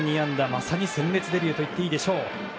まさに鮮烈デビューといっていいでしょう。